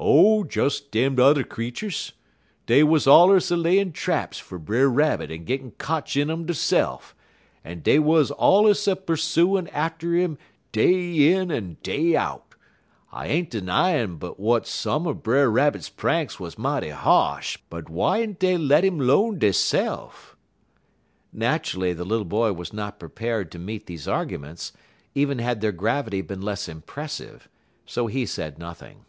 "Oh, des dem t'er creeturs. Dey wuz allers a layin' traps fer Brer Rabbit en gittin' cotch in um deyse'f, en dey wuz allers a pursooin' atter 'im day in en day out. I ain't 'nyin' but w'at some er Brer Rabbit pranks wuz mighty ha'sh, but w'y'n't dey let 'im 'lone deyse'f?" Naturally, the little boy was not prepared to meet these arguments, even had their gravity been less impressive, so he said nothing.